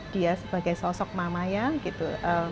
dia sebagai sosok mamaya gitu